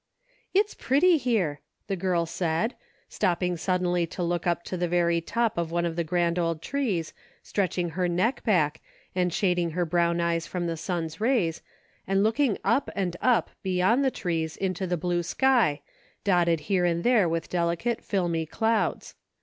" It's pretty here," the girl said, stopping sud denly to look up to the very top of one of the grand old trees, stretching her neck back, and shading her brown eyes from the sun's rays, and looking up and up beyond the trees into the blue sky, dot ted here and there with delicate, filmy clouds.